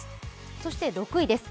そして６位です。